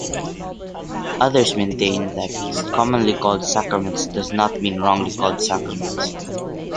Others maintain that "commonly called Sacraments" does not mean "wrongly called Sacraments".